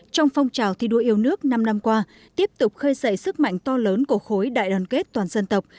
trong phong trào thi đua yêu nước năm năm qua tiếp tục khơi dậy sức mạnh to lớn của khối đại đoàn kết toàn dân tộc